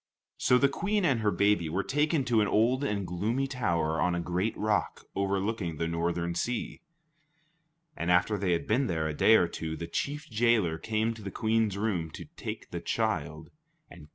So the Queen and her baby were taken to an old and gloomy tower on a great rock overlooking the northern sea; and after they had been there a day or two, the chief jailer came to the Queen's room to take the child and kill him.